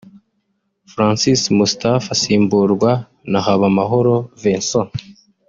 Francis Moustapha asimburwa na Habamahoro Vincent